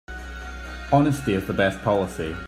Honesty is the best policy.